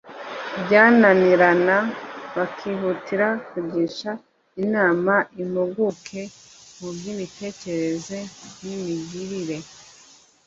byananirana bakihutira kugisha inama impuguke mu by’imitekerereze n’imigirire